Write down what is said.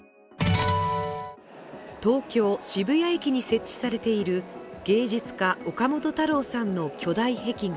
東京・渋谷駅に設置されている芸術家・岡本太郎さんの巨大壁画